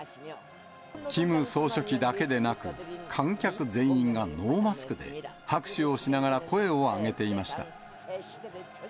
キム総書記だけでなく、観客全員がノーマスクで、拍手をしながら声を上げていました。